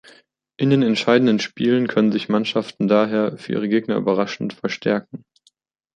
In den entscheidenden Spielen können sich Mannschaften daher, für ihre Gegner überraschend, verstärken.